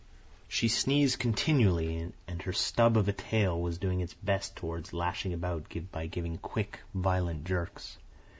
She sneezed continually, and her stub of a tail was doing its best toward lashing about by giving quick, violent jerks.